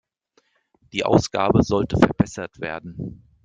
Die Ausgabe sollte verbessert werden.